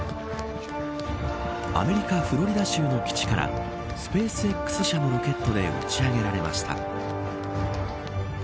アメリカ、フロリダ州の基地からスペースＸ社のロケットで打ち上げられました。